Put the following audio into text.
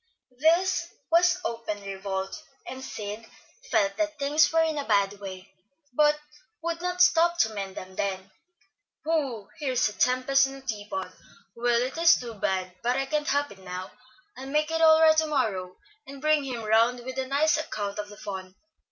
This was open revolt, and Sid felt that things were in a bad way, but would not stop to mend them then. "Whew! here's a tempest in a teapot. Well, it is too bad; but I can't help it now. I'll make it all right to morrow, and bring him round with a nice account of the fun.